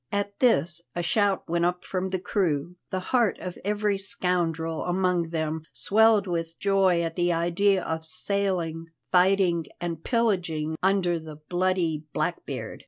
At this a shout went up from the crew; the heart of every scoundrel among them swelled with joy at the idea of sailing, fighting, and pillaging under the bloody Blackbeard.